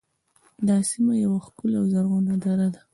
دا سیمه یوه ښکلې او زرغونه دره ده